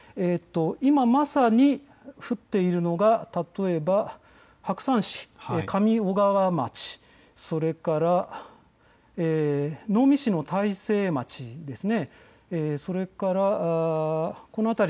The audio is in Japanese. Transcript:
今まさに降っているのが例えば白山市、上小川町、それから能美市の大成町です。